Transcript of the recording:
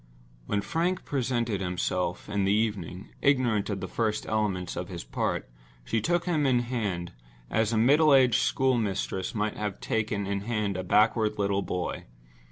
When Frank presented himself in the evening, ignorant of the first elements of his part, she took him in hand, as a middle aged schoolmistress might have taken in hand a backward little boy.